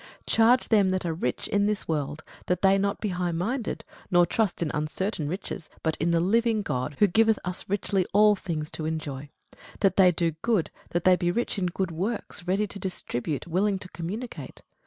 Charge them that are rich in this world, that they be not highminded, nor trust in uncertain riches, but in the living God, who giveth us richly all things to enjoy; that they do good, that they be rich in good works, ready to distribute, willing to communicate.